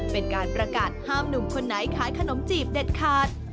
เป็นการประกาศห้ามหนุ่มคนไหนขายขนมจีบเด็ดขาด